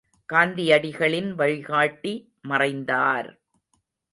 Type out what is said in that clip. காந்தியடிகளின் வழிகாட்டி மறைந்தார்!